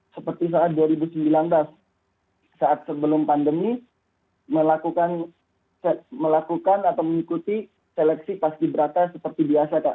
seperti saat dua ribu sembilan belas saat sebelum pandemi melakukan atau mengikuti seleksi paski beraka seperti biasa